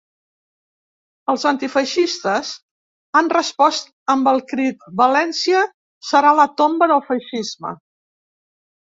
Els antifeixistes han respost amb el crit ‘València serà la tomba del feixisme’.